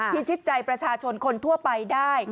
พิชิตใจประชาชนคนทั่วไปได้